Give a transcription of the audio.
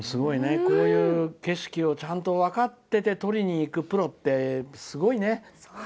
こういう景色をちゃんと分かってて撮りに行くプロって、すごいね！